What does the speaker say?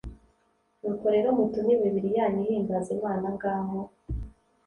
Nuko rero mutume imibiri yanyu ihimbaza Imana.Ngaho,